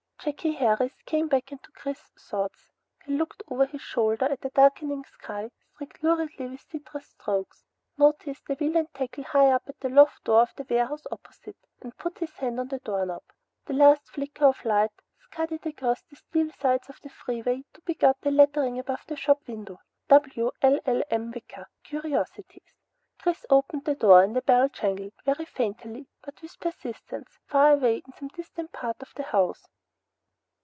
_ Jakey Harris came back into Chris's thoughts. He looked over his shoulder at the darkening sky streaked luridly with citrous strokes; noticed the wheel and tackle high up at the loft door of the warehouse opposite, and put his hand on the doorknob. The last flicker of light scudded across the steel sides of the freeway to pick out the lettering above the shop window. W LLM. WICKER, CURIOSITIES Chris opened the door and a bell jangled, very faintly, but with persistence, far away in some distant part of the house.